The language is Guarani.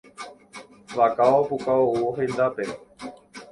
Vaka opuka oúvo hendápe.